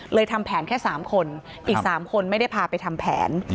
ทำแผนแค่๓คนอีก๓คนไม่ได้พาไปทำแผน